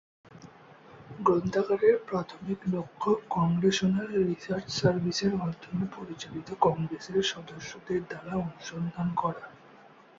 গ্রন্থাগারের প্রাথমিক লক্ষ্য কংগ্রেসনাল রিসার্চ সার্ভিসের মাধ্যমে পরিচালিত কংগ্রেসের সদস্যদের দ্বারা অনুসন্ধান করা।